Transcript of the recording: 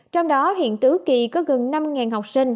trong đó hiện tứ kỳ có gần năm học sinh